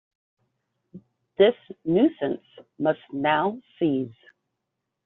This nuisance must now cease.